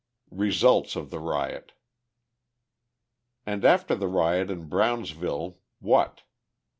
Results of the Riot And after the riot in Brownsville, what?